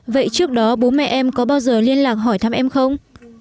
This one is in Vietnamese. vậy trước đó bố mẹ em có bao giờ liên lạc hỏi thăm em không